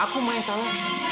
aku ma yang salah